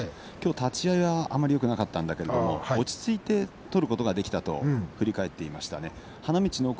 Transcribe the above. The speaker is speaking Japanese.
立ち合いあまりよくなかったんだけども落ち着いて取ることができたと振り返っています。